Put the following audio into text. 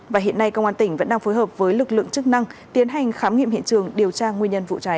và hiện nay công an tỉnh vẫn đang phối hợp với lực lượng chức năng tiến hành khám nghiệm hiện trường điều tra nguyên nhân vụ cháy